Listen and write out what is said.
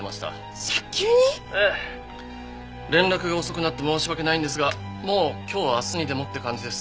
「ええ」連絡が遅くなって申し訳ないんですがもう今日明日にでもって感じです。